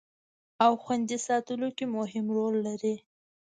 او خوندي ساتلو کې مهم رول لري